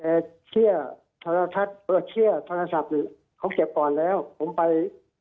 เอ่อเชื่อทรทัศน์เปิดเชื่อทรทัศน์เขาเก็บก่อนแล้วผมไป